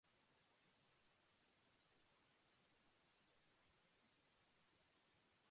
A publicado cientos de títulos a lo largo de si historia.